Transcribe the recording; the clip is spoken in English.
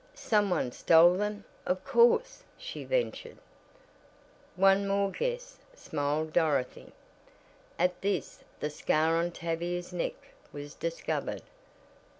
"Some one stole them, of course," she ventured. "One more guess!" smiled Dorothy. At this the scar on Tavia's neck was discovered.